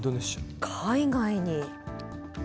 海外に。